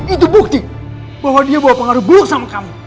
itu bukti bahwa dia bawa pengaruh buruk sama kamu